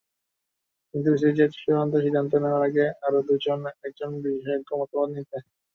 কিন্তু বিসিবি চেয়েছে চূড়ান্ত সিদ্ধান্ত নেওয়ার আগে আরও দু-একজন বিশেষজ্ঞের মতামত নিতে।